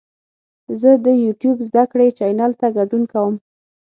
زه د یوټیوب زده کړې چینل ته ګډون کوم.